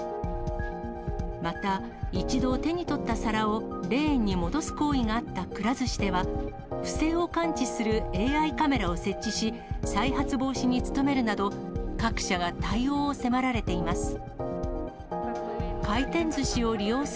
また、一度手に取った皿を、レーンに戻す行為があったくら寿司では、不正を感知するＡＩカメラを設置し、再発防止に努めるなど、各社が対応を迫られています。